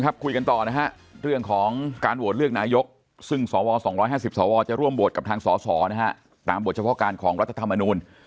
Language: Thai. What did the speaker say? คุยกันต่อนะฮะเรื่องของการโหวตเลือกนายกซึ่งสว๒๕๐สวจะร่วมโหวตกับทางสสนะฮะตามบทเฉพาะการของรัฐธรรมนูล